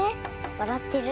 わらってる。